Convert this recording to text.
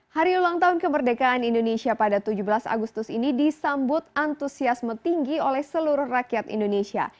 hari ulang tahun kemerdekaan indonesia pada tujuh belas agustus ini disambut antusiasme tinggi oleh seluruh rakyat indonesia